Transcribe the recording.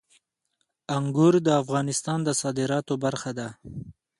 انګور د افغانستان د صادراتو برخه ده.